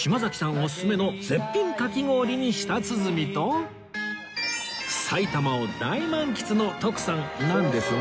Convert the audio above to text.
オススメの絶品かき氷に舌鼓との徳さんなんですが